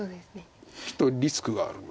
ちょっとリスクがあるので。